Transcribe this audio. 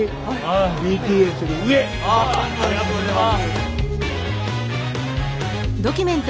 ありがとうございます。